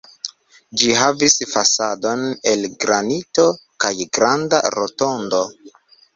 Ĝi havis fasadon el granito kaj granda rotondo.